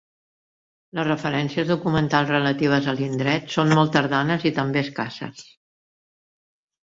Les referències documentals relatives a l'indret són molt tardanes i també escasses.